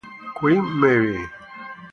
Queen Mary